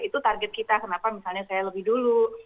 itu target kita kenapa misalnya saya lebih dulu